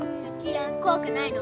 怖くないの？